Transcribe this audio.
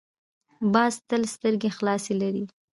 باز تل سترګې خلاصې لري